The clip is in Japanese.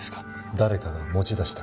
誰かが持ち出した？